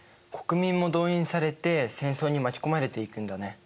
国民も動員されて戦争に巻き込まれていくんだね。